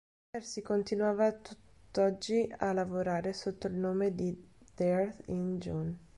Pearce continua a tutt'oggi a lavorare sotto il nome di Death In June.